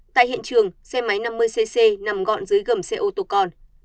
tại hiện trường xe máy năm mươi cc nằm gọn dưới gầm xe ô tô con